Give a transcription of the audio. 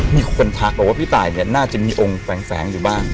มีคนทักบอกว่าพี่ตายเนี่ยน่าจะมีองค์แฝงอยู่บ้าง